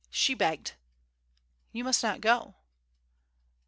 She begged " "You must not go."